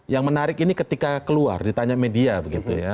yang menarik ini ketika keluar ditanya media begitu ya